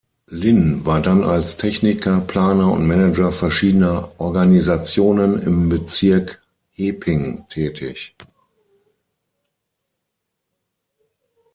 Lin war dann als Techniker, Planer und Manager verschiedener Organisationen im Bezirk Heping tätig.